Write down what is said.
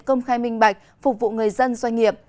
công khai minh bạch phục vụ người dân doanh nghiệp